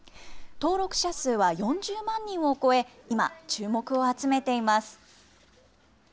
登録者数は４０万人を超え、今、注目を集めています。